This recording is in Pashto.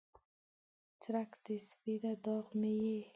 څرک د سپیده داغ مې یې